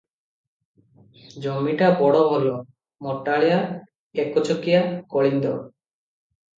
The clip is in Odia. ଜମିଟା ବଡ଼ ଭଲ, ମଟାଳିଆ, ଏକଚକିଆ, କଳିନ୍ଦ ।